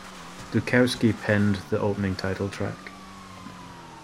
Dukowski penned the opening title track.